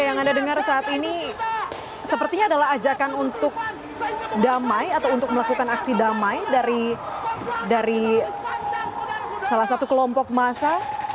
yang anda dengar saat ini sepertinya adalah ajakan untuk damai atau untuk melakukan aksi damai dari salah satu kelompok massa